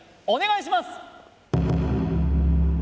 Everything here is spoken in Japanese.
お願いします！